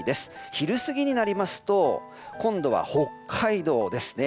昼過ぎになりますと今後は北海道ですね